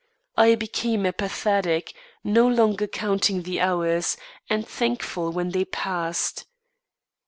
I became apathetic; no longer counting the hours, and thankful when they passed.